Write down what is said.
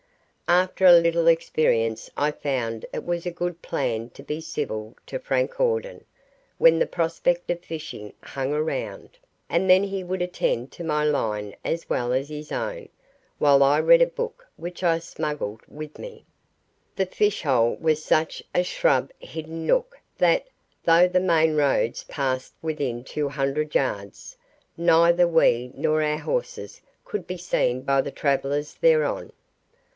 After a little experience I found it was a good plan to be civil to Frank Hawden when the prospect of fishing hung around, and then he would attend to my line as well as his own, while I read a book which I smuggled with me. The fish hole was such a shrub hidden nook that, though the main road passed within two hundred yards, neither we nor our horses could be seen by the travellers thereon.